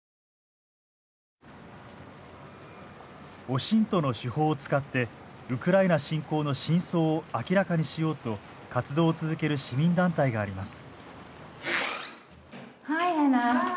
オシントの手法を使ってウクライナ侵攻の真相を明らかにしようと活動を続ける市民団体があります。